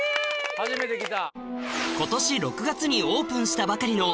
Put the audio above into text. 初めて来た。